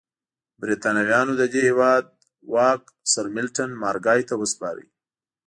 برېټانویانو د دې هېواد واک سرمیلټن مارګای ته وسپاره.